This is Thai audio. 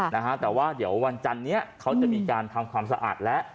นะฮะแต่ว่าเดี๋ยววันจันเนี้ยเขาจะมีการทำความสะอาดแล้ว